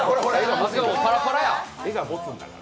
画がもつんだから。